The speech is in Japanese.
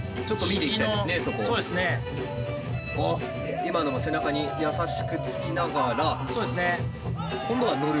今のも背中に優しくつきながら今度は乗る。